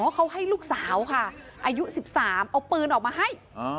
เขาให้ลูกสาวค่ะอายุ๑๓เอาปืนออกมาให้